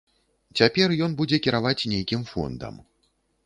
Цяпер ён будзе кіраваць нейкім фондам.